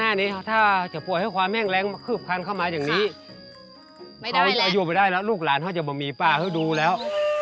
ไม่ได้แล้วอายุไม่ได้แล้วลูกหลานเขาจะบ่มีป้าเขาดูแล้ว